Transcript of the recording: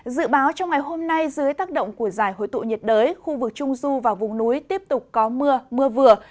dự báo trong ngày hôm nay dưới tác động của giải hội tụ nhiệt đới khu vực trung du và vùng núi tiếp tục có mưa mưa vừa